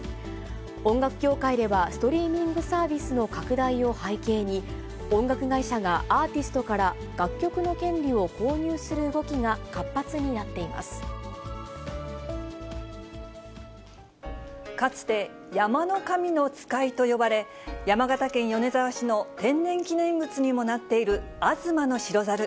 音楽業界では、ストリーミングサービスの拡大を背景に、音楽会社がアーティストから楽曲の権利を購入する動きが活発になかつて、山の神の使いと呼ばれ、山形県米沢市の天然記念物にもなっている吾妻の白猿。